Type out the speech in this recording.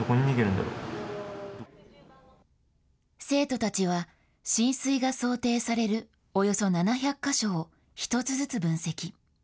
生徒たちは、浸水が想定されるおよそ７００か所を１つずつ分析。